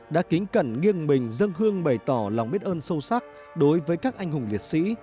đã kính cẩn nghiêng mình dân hương bày tỏ lòng biết ơn sâu sắc đối với các anh hùng liệt sĩ